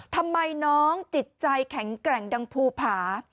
ทำไมน้องจิตใจแข็งแกร่งดังภูผา